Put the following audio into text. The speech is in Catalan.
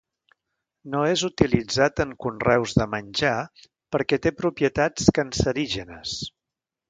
No és utilitzat en conreus de menjar perquè té propietats cancerígenes.